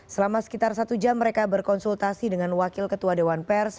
selama sekitar satu jam mereka berkonsultasi dengan wakil ketua dewan pers